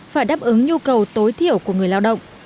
phải đáp ứng nhu cầu tối thiểu của người lao động